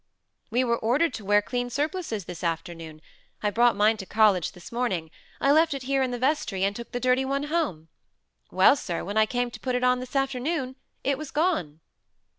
"We were ordered to wear clean surplices this afternoon. I brought mine to college this morning; I left it here in the vestry, and took the dirty one home. Well, sir, when I came to put it on this afternoon, it was gone."